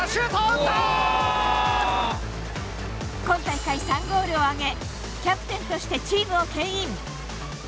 今大会３ゴールを挙げキャプテンとしてチームを牽引。